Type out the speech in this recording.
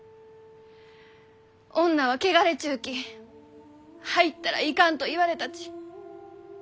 「女は汚れちゅうき入ったらいかん」と言われたち